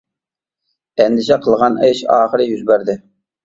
ئەندىشە قىلغان ئىش ئاخىرى يۈز بەردى.